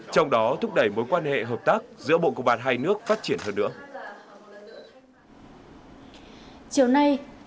trong đó thúc đẩy mối quan hệ hợp tác giữa bộ công an hai nước phát triển hơn nữa